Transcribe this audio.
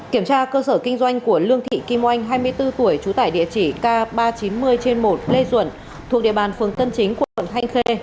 kiểm tra cơ sở kinh doanh của lương thị kim oanh hai mươi bốn tuổi trú tại địa chỉ k ba trăm chín mươi trên một lê duẩn thuộc địa bàn phường tân chính quận thanh khê